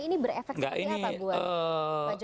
ini berefeksi apa buat pak jokowi